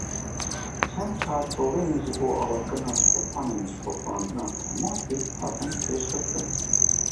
Çend çarçoveyên ji bo avakirina sepanên şopandina temasê hatin pêşxistin.